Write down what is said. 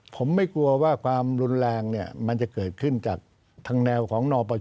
ผมไม่กลัวว่าความรุนแรงมันจะเกิดขึ้นจากทางแนวของนพเพิ่ต